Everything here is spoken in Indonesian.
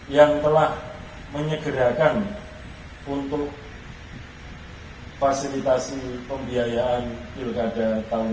yang telah menyegerakan untuk fasilitasi pembiayaan pilkada tahun dua ribu dua puluh